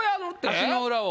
足の裏を。